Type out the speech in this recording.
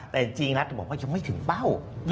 แต่จริงรัฐบอกว่ายังไม่ถึงเป้า